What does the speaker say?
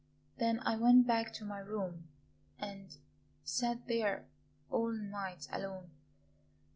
Then I went back to my room and sat there all night alone.